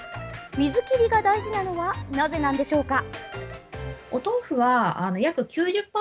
水切りが大事なのはなぜなのでしょうか？